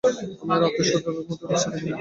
আমি আর আমার আত্মীয়রা তোমাদের রাস্তা দেখাবো।